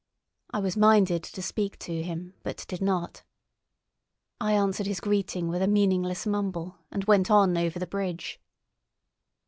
I was minded to speak to him, but did not. I answered his greeting with a meaningless mumble and went on over the bridge.